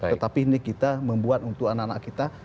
tetapi ini kita membuat untuk anak anak kita